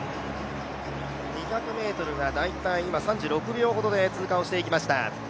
２００ｍが大体今、３６秒ほどで通過していきました。